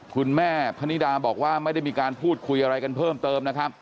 คุณแม่พนิดาบอกว่าไม่ได้มีการพูดคุยอะไรกันเพิ่มเติมนะครับ